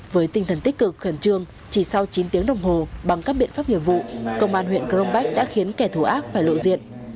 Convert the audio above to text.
với tinh thần tích cực khẩn trương chỉ sau chín tiếng đồng hồ bằng các biện pháp nghiệp vụ công an huyện crong bách đã khiến kẻ thù ác phải lộ diện